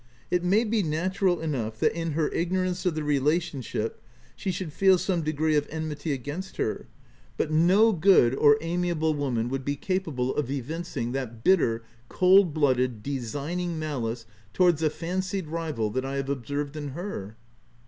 It may be natural enough that, in her ignorance of the relationship, she should feel some degree of enmity against her, but no good or amiable 130 THE TENANT woman would be capable of evincing that bitter, cold blooded, designing malice towards a fancied rival that I have observed in her.